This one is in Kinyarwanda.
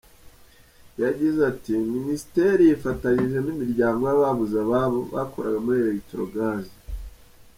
Yagize ati : “Minisiteri yifatanyije n’imiryango y’ababuze ababo bakoraga muri Electrogaz.